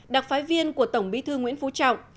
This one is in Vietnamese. đặc phái viên của tổng bí thư nguyễn phú trọng